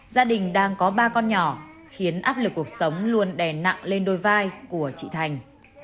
gia đình đang có ba con nhỏ khiến áp lực cuộc sống luôn đè nặng lên đôi vai của chị thành